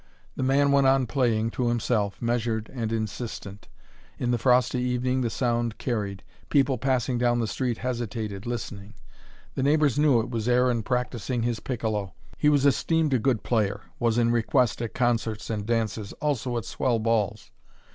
The man went on playing to himself, measured and insistent. In the frosty evening the sound carried. People passing down the street hesitated, listening. The neighbours knew it was Aaron practising his piccolo. He was esteemed a good player: was in request at concerts and dances, also at swell balls.